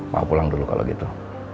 mau pulang dulu kalau gitu